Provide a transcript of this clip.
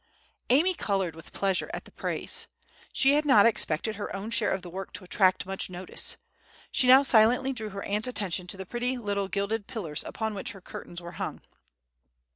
Amy colored with pleasure at the praise; she had not expected her own share of the work to attract much notice. She now silently drew her aunt's attention to the pretty little gilded pillars upon which her curtains were hung.